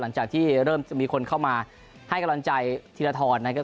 หลังจากที่เริ่มจะมีคนเข้ามาให้กำลังใจธีรทรนะครับ